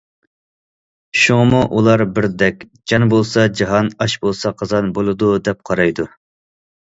شۇڭىمۇ ئۇلار بىردەك:‹‹ جان بولسا جاھان، ئاش بولسا قازان›› بولىدۇ، دەپ قارايدۇ.